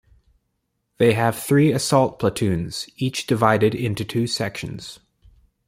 They have three assault platoons, each divided into two sections.